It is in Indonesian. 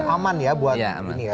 jadi aman ya buat ini ya